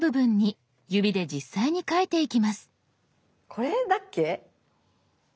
これだっけ？